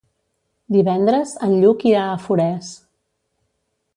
Divendres en Lluc irà a Forès.